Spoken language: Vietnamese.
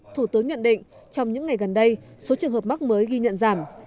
thủ tướng nhận định trong những ngày gần đây số trường hợp mắc mới ghi nhận giảm